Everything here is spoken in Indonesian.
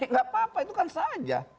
nggak apa apa itu kan saja